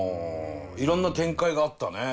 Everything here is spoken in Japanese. いろんな展開があったね。